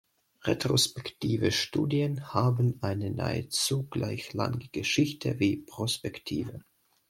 Retrospektive Studien haben eine nahezu gleich lange Geschichte wie prospektive.